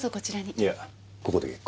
いやここで結構。